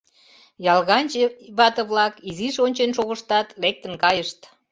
Ялганче вате-влак изиш ончен шотыштат, лектын кайышт.